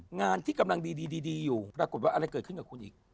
งานที่กำลังดีอยู่ปรากฏว่าอะไรเกิดขึ้นกับคุณอีก